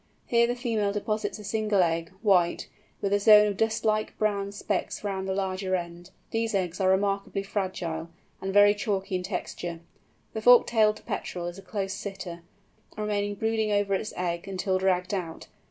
Here the female deposits a single egg, white, with a zone of dust like brown specks round the larger end. These eggs are remarkably fragile, and very chalky in texture. The Fork tailed Petrel is a close sitter, remaining brooding over its egg until dragged out.